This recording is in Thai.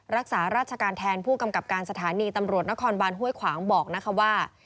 รักษาราชการแทนผู้กำกับการสถานีตำรวจนครบานห้วยขวางบอกนะคะว่า